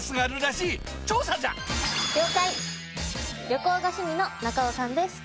旅行が趣味の中尾さんです。